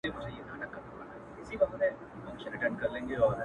نور پردی ورڅخه وس له ژونده موړ دی -